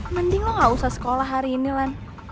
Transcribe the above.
mending lo gak usah sekolah hari ini lah